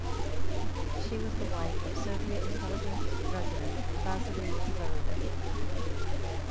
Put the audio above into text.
She was the wife of Soviet Intelligence Resident Vasily Zarubin.